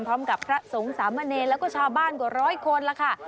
พร้อมกับพระสงฆ์สามเณรแล้วก็ชาวบ้านกว่าร้อยคนละค่ะ